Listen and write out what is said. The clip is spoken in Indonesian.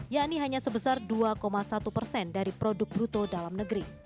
yakni hanya sebesar dua satu persen dari produk bruto dalam negeri